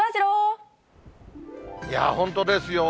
いやー、本当ですよ。